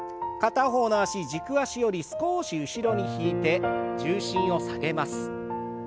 片方の脚軸足より少し後ろに引いて重心を下げます。